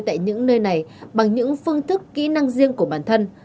tại những nơi này bằng những phương thức kỹ năng riêng của bản thân